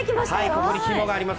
ここにひもがあります。